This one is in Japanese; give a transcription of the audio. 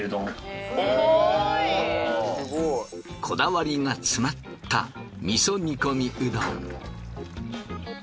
こだわりが詰まった味煮込みうどん。